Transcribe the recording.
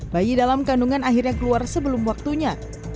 bayi dalam kandungan akhirnya keluar sebelum waktunya